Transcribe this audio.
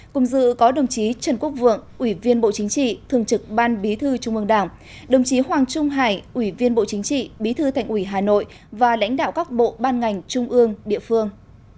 cùng dự có đồng chí trần quốc vượng ủy viên bộ chính trị thường trực ban bí thư trung ương đảng đồng chí hoàng trung hải ủy viên bộ chính trị bí thư thành ủy hà nội và lãnh đạo các bộ ban ngành trung ương địa phương